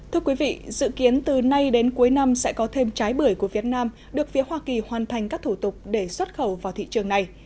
thưa quý vị dự kiến từ nay đến cuối năm sẽ có thêm trái bưởi của việt nam được phía hoa kỳ hoàn thành các thủ tục để xuất khẩu vào thị trường này